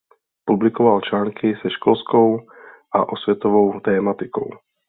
Publikoval články se školskou a osvětovou tematikou.